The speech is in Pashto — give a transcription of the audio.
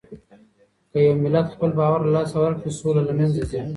که يو ملت خپل باور له لاسه ورکړي، سوله له منځه ځي.